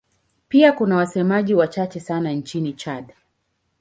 Pia kuna wasemaji wachache sana nchini Chad.